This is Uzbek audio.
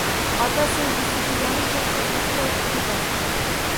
“Ota sevgisi” degani shakkoklikka o’tib ketadi.